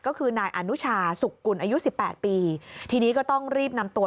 ก็คือนายอนุชาสุกกุลอายุสิบแปดปีทีนี้ก็ต้องรีบนำตัว